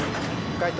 解答